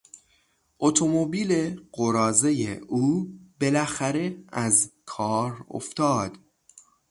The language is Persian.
اتومبیل قراضهی او بالاخره از کار افتاد.